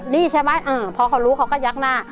นี่ใช่ไหมพอเขารู้เขาก็ยักหน้า